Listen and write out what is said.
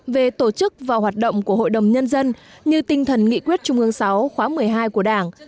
về tổ chức và hoạt động của hội đồng nhân dân như tinh thần nghị quyết trung ương sáu khóa một mươi hai của đảng